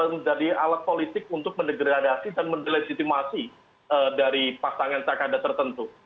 menjadi alat politik untuk mendegradasi dan melejitimasi dari pasangan tak ada tertentu